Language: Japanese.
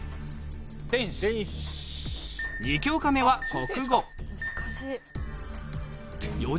２教科目は国語。